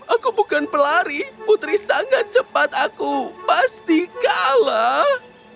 aku bukan pelari putri sangat cepat aku pasti kalah